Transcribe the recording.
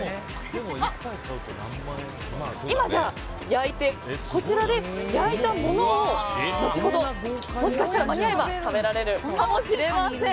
今、こちらで焼いたものを後ほどもしかしたら間に合えば食べられるかもしれません。